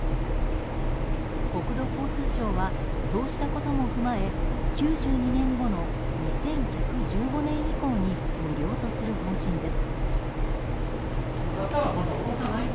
国土交通省はそうしたことも踏まえ９２年後の２１１５年以降に無料とする方針です。